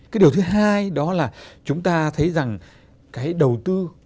cái điều thứ hai đó là chúng ta thấy rằng cái đầu tư